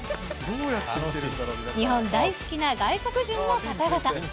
日本大好きな外国人の方々。